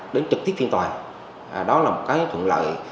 đến trực tiếp phiên tòa đó là một cái thuận lợi